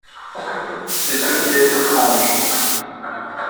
C'est ce qui est étrange.